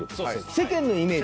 世間のイメージ。